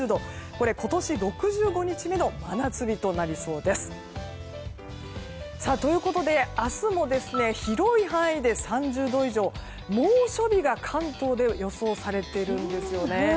これ、今年６５日目の真夏日となりそうです。ということで明日も広い範囲で３０度以上のまた、猛暑日が関東で予想されているんですよね。